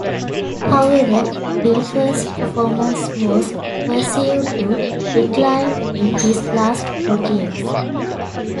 However, Dilfer's performance was perceived to decline in his last four games.